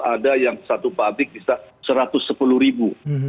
ada yang satu pabrik bisa satu ratus sepuluh ribu